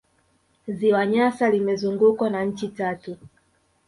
ziwa nyasa limezungukwa na nchi tatu